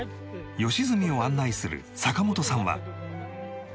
良純を案内する坂本さんは